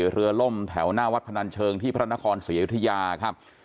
เรือล่มแถวหน้าวัดพนันเชิงที่พระนครศรีอยุธยาครับ